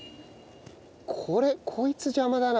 これこいつ邪魔だな。